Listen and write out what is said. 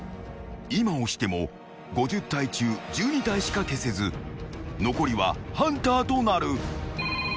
［今押しても５０体中１２体しか消せず残りはハンターとなる］